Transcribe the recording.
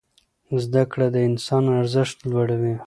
زده کړه د انسان ارزښت لوړوي.